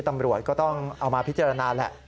ตำรวจก็ต้องเอามาพิจารณาแหละ